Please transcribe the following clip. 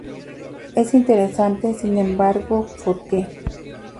Es interesante, sin embargo, porque